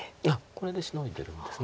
これでシノいでるんです。